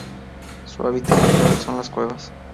Su hábitat natural son: las Cuevas.